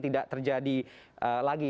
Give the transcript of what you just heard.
tidak terjadi lagi